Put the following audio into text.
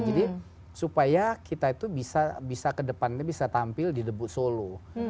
jadi supaya kita itu bisa ke depannya bisa tampil di the booth solo